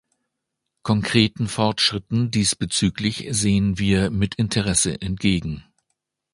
Konkreten Fortschritten diesbezüglich sehen wir mit Interesse entgegen.